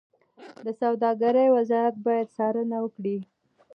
د سوداګرۍ وزارت باید څارنه وکړي.